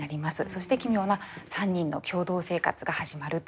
そして奇妙な３人の共同生活が始まるという。